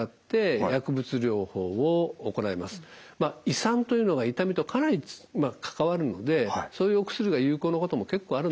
胃酸というのが痛みとかなり関わるのでそういうお薬が有効なことも結構あるんですね。